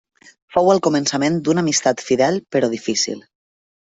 Fou el començament d'una amistat fidel però difícil.